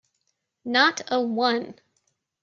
Not a one.